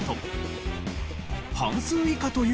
半数以下という結果に。